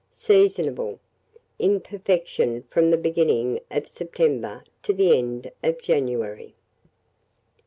Seasonable. In perfection from the beginning of September to the end of January.